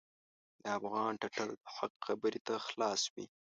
د افغان ټټر د حق خبرې ته خلاص وي.